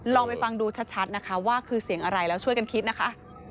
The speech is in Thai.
ลองไปฟังดูชัดนะคะว่าคือเสียงอะไรแล้วช่วยกันคิดนะคะ